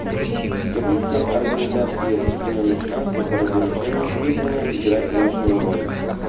Комиссия Организации Объединенных Наций по разоружению призвана играть важную роль.